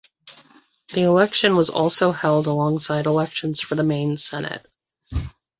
The election was also held alongside elections for the Maine Senate.